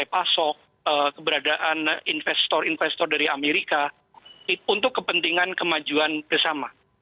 dan ini adalah hal yang sangat penting untuk memanfaatkan investor investor dari amerika untuk kepentingan kemajuan bersama